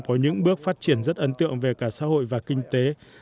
có những bước phát triển rất ấn tượng về cả xã hội và kinh tế